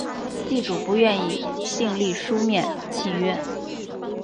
地主不愿意订立书面契约